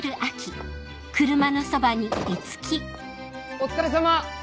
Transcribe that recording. お疲れさま！